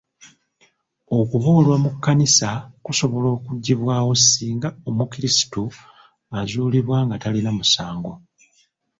Okuboolwa mu kkanisa kusobola okuggibwawo singa omukrisitu azuulibwa nga talina musango.